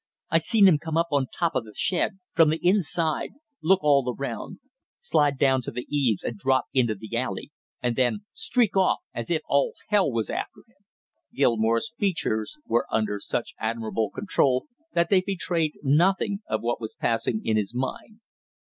I seen him come up on top of the shed from the inside, look all around, slide down to the eaves and drop into the alley, and then streak off as if all hell was after him!" Gilmore's features were under such admirable control that they betrayed nothing of what was passing in his mind.